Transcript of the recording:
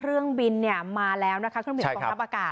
เครื่องบินมาแล้วนะคะเครื่องบินกองทัพอากาศ